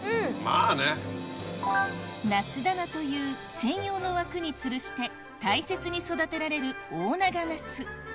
ナス棚という専用の枠につるして大切に育てられる大長ナス